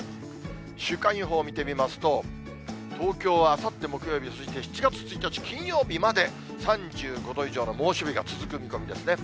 週間予報見てみますと、東京はあさって木曜日に続いて、そして７月１日金曜日まで、３５度以上の猛暑日が続く見込みですね。